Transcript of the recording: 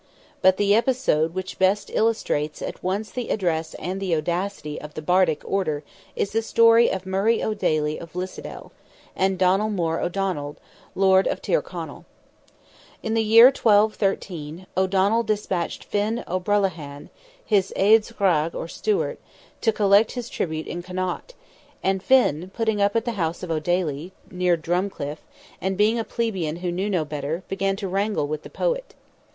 But the episode which best illustrates at once the address and the audacity of the bardic order is the story of Murray O'Daly of Lissadil, and Donnell More O'Donnell, Lord of Tyrconnell. In the year 1213, O'Donnell despatched Finn O'Brollaghan, his Aes graidh or Steward, to collect his tribute in Connaught, and Finn, putting up at the house of O'Daly, near Drumcliff, and being a plebeian who knew no better, began to wrangle with the poet.